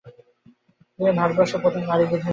তিনি ভারতবর্ষের প্রথম নারী বিধায়ক।